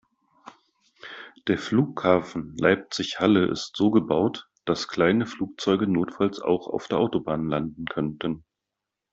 Der Flughafen Leipzig/Halle ist so gebaut, dass kleine Flugzeuge notfalls auch auf der Autobahn landen könnten.